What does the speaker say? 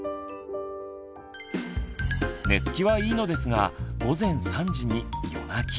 寝つきはいいのですが午前３時に夜泣き。